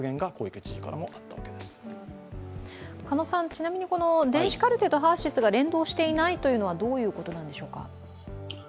ちなみにこの電子カルテとＨＥＲ−ＳＹＳが連動していないというのはどういうことなんでしょうか。